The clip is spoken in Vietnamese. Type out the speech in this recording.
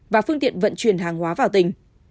và phương tiện vận chuyển hàng hóa vào tỉnh